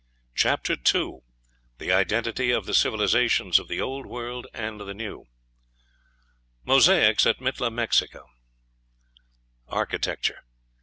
CHAPTER II THE IDENTITY OF THE CIVILIZATIONS OF THE OLD WORLD AND THE NEW MOSAICS AT MITLA, MEXICO Architecture.